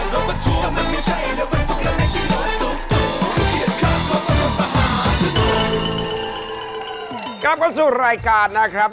กลับเข้าสู่รายการนะครับ